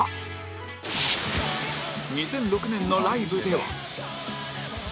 ２００６年のライブでは